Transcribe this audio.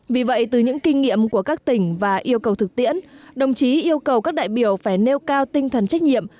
vì vậy từ những kinh nghiệm của các tỉnh và yêu cầu thực tiễn đồng chí yêu cầu các đại biểu phải nêu cao tinh thần trách nhiệm